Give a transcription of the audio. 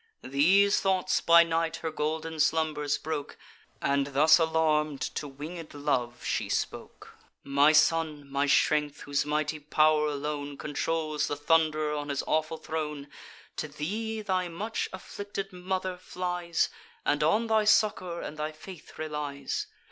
These thoughts by night her golden slumbers broke, And thus alarm'd, to winged Love she spoke: "My son, my strength, whose mighty pow'r alone Controls the Thund'rer on his awful throne, To thee thy much afflicted mother flies, And on thy succour and thy faith relies.